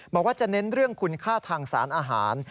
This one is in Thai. บอกว่าจะเน้นเรื่องคุณค่าทางสารอาหาร